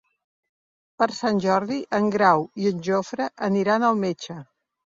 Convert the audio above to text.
Per Sant Jordi en Grau i en Jofre aniran al metge.